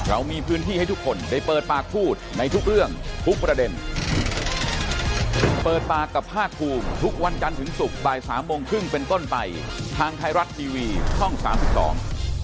เอาพ่อแม่มาแล้วนั่งร้องไห้กับผมถึงเช่นคืนอย่างนั้นเลยเหรอ